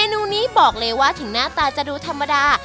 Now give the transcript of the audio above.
นูนี้บอกเลยว่าถึงหน้าตาจะดูธรรมดา